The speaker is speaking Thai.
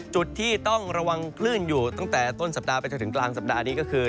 จุดที่ต้องระวังคลื่นอยู่ตั้งแต่ต้นสัปดาห์ไปจนถึงกลางสัปดาห์นี้ก็คือ